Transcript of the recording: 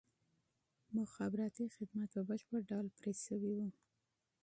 مخابراتي خدمات په بشپړ ډول پرې شوي وو.